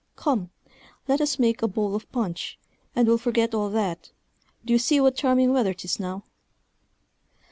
Come, let us make a bowl of punch, and we'll forget all that; d'ye see what charming weather 'tis now?"